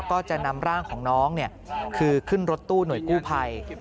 ก็จะนำร่างของน้องคือขึ้นรถตู้หน่วยกู้ภัย